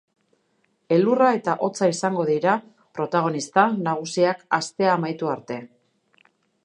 Elurra eta hotza izango dira protagonista nagusiak astea amaitu arte.